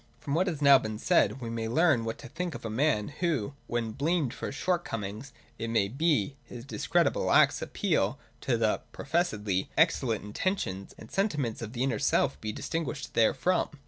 From what has now been said, we may learn what to think of a man! who, when blamed for his shortcomings, it may be, his discreditable acts, appeals to the (professedly) excellent intentions and sentiments of the inner self he dis tinguishes therefrom.